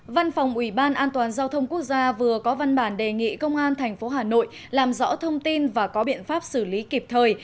văn phòng ủy ban an toàn giao thông quốc gia vừa có văn bản đề nghị công an tp hà nội làm rõ thông tin và có biện pháp xử lý kịp thời